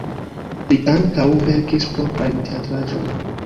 Li ankaŭ verkis proprajn teatraĵojn.